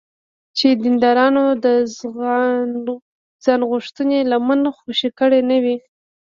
چې دیندارانو د ځانغوښتنې لمن خوشې کړې نه وي.